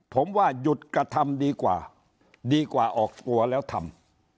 ผมว่าหยุดกระทำดีกว่าดีกว่าออกตัวแล้วทำ